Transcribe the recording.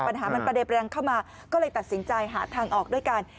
ปัญหามันประเด็นแรงเข้ามาก็เลยตัดสินใจหาทางออกด้วยกัน